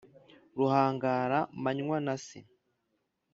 ruhangara-manywa na se